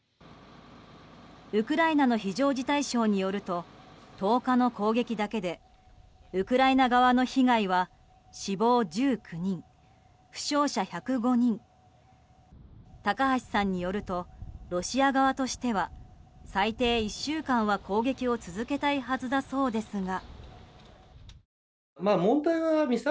ウクライナの非常事態省によると１０日の攻撃だけでウクライナ側の被害は死亡１９人、負傷者１０５人高橋さんによるとロシア側としては最低１週間は攻撃を続けたいはずだそうですが。